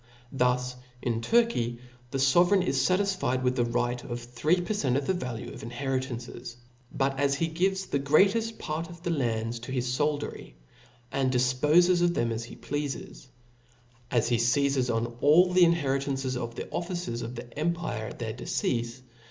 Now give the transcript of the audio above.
• Thus, in Turky, the fovcrcign is fatisfied with the right of three per cent, pn the value of inheritances ("). But as he gives (OScccon the grefteft part of the lands to his foldiery, and thc^ilJbm difpoies of them as he pleafes ; as he feizcs on all ^^nces of the inheritances of the officers of the empire at their jSneUnt deceafe; a?